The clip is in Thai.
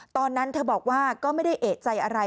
ตอนนั้นเธอบอกว่าก็ไม่ได้เอกใจอะไร